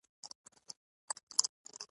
د دین نوی کول د تجدیدولو معنا نه لري.